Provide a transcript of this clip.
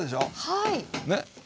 はい。